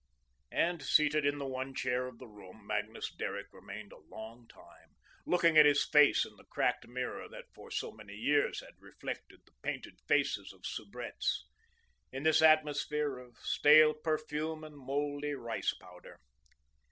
And seated in the one chair of the room, Magnus Derrick remained a long time, looking at his face in the cracked mirror that for so many years had reflected the painted faces of soubrettes, in this atmosphere of stale perfume and mouldy rice powder.